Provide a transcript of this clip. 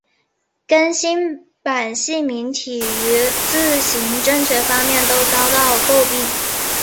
更新版细明体于字形正确方面都遭到诟病。